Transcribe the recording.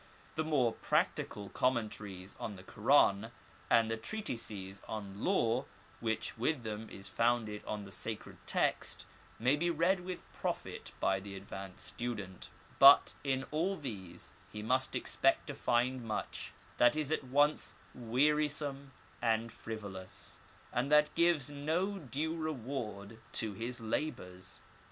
The more practical commentaries on the Koran, and the treatises on law, which with them is founded on the sacred text, may be read with profit by the advanced student, but in all these he must expect to find much that is at once wearisome and frivolous, and that gives no due reward to his labours.